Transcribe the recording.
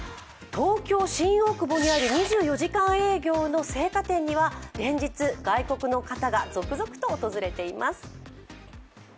東京・新大久保にある２４時間営業の青果店には、連日外国の方が続々と訪れています。